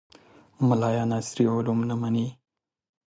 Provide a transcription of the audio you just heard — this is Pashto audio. ملایان عصري علوم نه مني